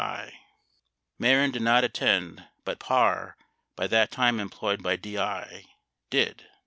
69 Mehren did not attend, but Parr, by that time em ployed by DI, did.